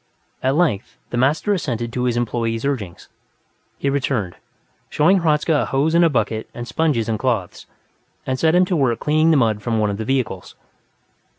At length, the master assented to his employee's urgings; he returned, showed Hradzka a hose and a bucket and sponges and cloths, and set him to work cleaning the mud from one of the vehicles.